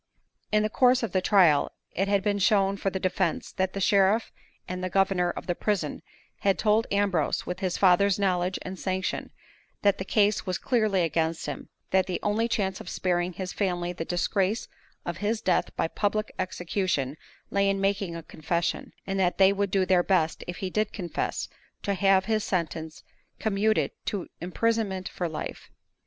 In the course of the trial, it had been shown for the defense that the sheriff and the governor of the prison had told Ambrose, with his father's knowledge and sanction, that the case was clearly against him; that the only chance of sparing his family the disgrace of his death by public execution lay in making a confession; and that they would do their best, if he did confess, to have his sentence commuted to imprisonment for life.